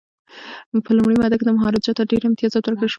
په لومړۍ ماده کي مهاراجا ته ډیر امتیازات ورکړل شول.